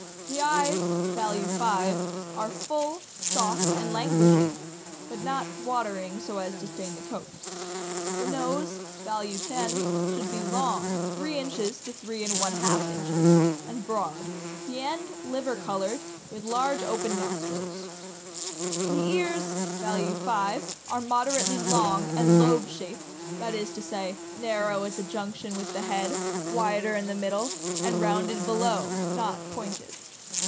The eyes (value 5) are full, soft, and languishing, but not watering so as to stain the coat. The nose (value 10) should be long (three inches to three and one half inches) and broad, the end liver colored, with large open nostrils. The ears (value 5) are moderately long and lobe shaped — that is to say, narrow at the junction with the head, wider in the middle, and rounded below, not pointed.